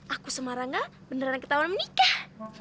aku sama rangga beneran ketahuan menikah